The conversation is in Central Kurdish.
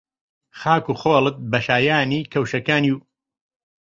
خاک و خۆڵت بە شایانی کەوشەکانی و